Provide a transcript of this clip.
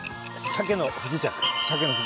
シャケの不時着。